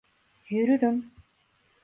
Yürürüm.